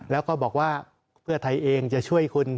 แล้วก็บอกว่าเพื่อไทยเองจะช่วยคุณ